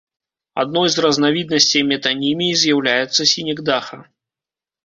Адной з разнавіднасцей метаніміі з'яўляецца сінекдаха.